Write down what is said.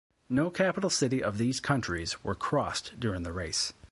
No capital city of these countries were crossed during the race.